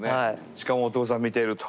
しかもお父さん見ていると。